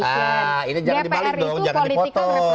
nah ini jangan dibalik dong jangan dipotong